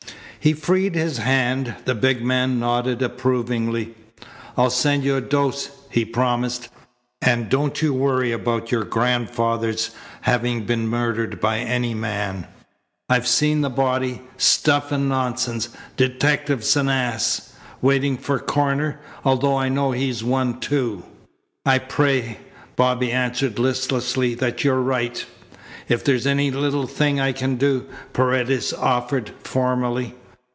He freed his hand. The big man nodded approvingly. "I'll send you a dose," he promised, "and don't you worry about your grandfather's having been murdered by any man. I've seen the body. Stuff and nonsense! Detective's an ass. Waiting for coroner, although I know he's one, too." "I pray," Bobby answered listlessly, "that you're right." "If there's any little thing I can do," Paredes offered formally.